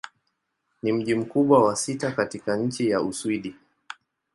Ni mji mkubwa wa sita katika nchi wa Uswidi.